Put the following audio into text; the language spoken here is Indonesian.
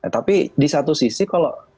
tapi di satu sisi kalau